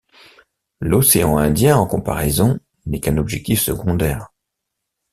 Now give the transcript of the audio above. L'océan Indien, en comparaison, n'est qu'un objectif secondaire.